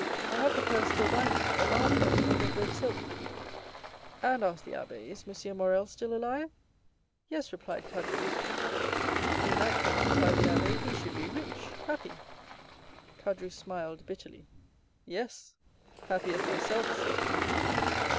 I have the purse still by me—a large one, made of red silk." "And," asked the abbé, "is M. Morrel still alive?" "Yes," replied Caderousse. "In that case," replied the abbé, "he should be a man blessed of God, rich, happy." Caderousse smiled bitterly. "Yes, happy as myself," said he.